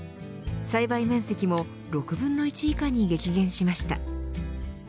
栽培面積も６分の１以下に激減しました。